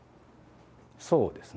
そうですね。